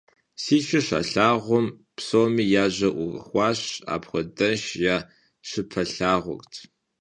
Си шыр щалъагъум, псоми я жьэр Ӏурыхуащ – апхуэдэш я щыпэлъагъут.